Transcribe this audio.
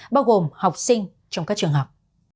bao gồm học sinh trong các trường học